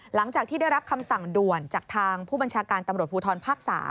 หลังจากที่ได้รับคำสั่งด่วนจากทางผู้บัญชาการตำรวจภูทรภาค๓